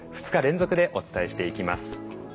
２日連続でお伝えしていきます。